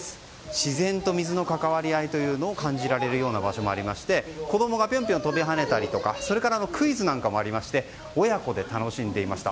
自然と水の関わり合いというのを感じられる場所がありまして子供がぴょんぴょん飛び跳ねる場所やそれからクイズもありまして親子で楽しんでいました。